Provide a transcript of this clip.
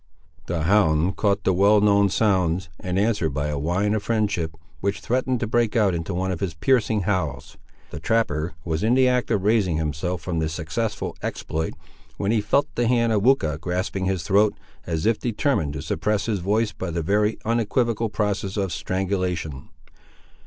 The hound caught the well known sounds, and answered by a whine of friendship, which threatened to break out into one of his piercing howls. The trapper was in the act of raising himself from this successful exploit, when he felt the hand of Weucha grasping his throat, as if determined to suppress his voice by the very unequivocal process of strangulation.